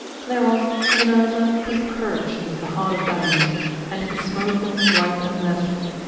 Thereon Minerva put courage into the heart of Diomed, and he smote them right and left.